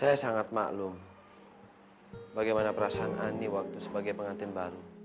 saya sangat maklum bagaimana perasaan ani waktu sebagai pengantin baru